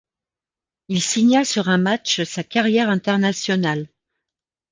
Il signa sur un match sa carrière internationale.